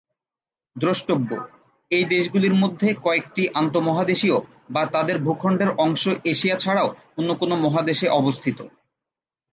দ্রষ্টব্য: এই দেশগুলির মধ্যে কয়েকটি আন্তঃমহাদেশীয় বা তাদের ভূখণ্ডের অংশ এশিয়া ছাড়াও অন্য কোনো মহাদেশে অবস্থিত।